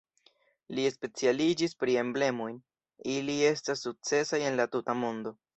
Li specialiĝis pri emblemoj, ili estas sukcesaj en la tuta mondo.